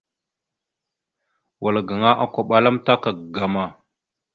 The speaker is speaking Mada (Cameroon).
Wal gaŋa okombaláamətak ŋgam a.